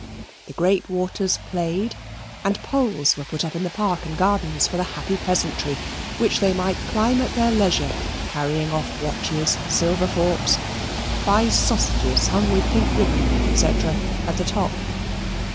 The great waters played; and poles were put up in the park and gardens for the happy peasantry, which they might climb at their leisure, carrying off watches, silver forks, prize sausages hung with pink ribbon, &c., at the top.